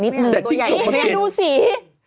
ดูสี